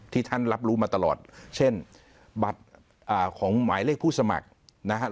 ท่านรับรู้มาตลอดเช่นบัตรของหมายเลขผู้สมัครนะครับ